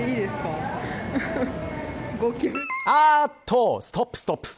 あっと、ストップ、ストップ。